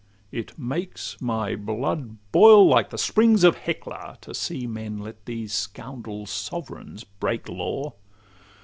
It makes my blood boil like the springs of Hecla, To see men let these scoundrel sovereigns break law.